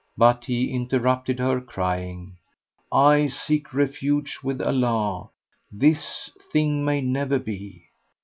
But he interrupted her crying, "I seek refuge with Allah! This thing may never be.